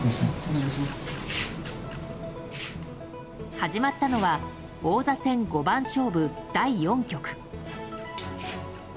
始まったのは王座戦五番勝負第４局。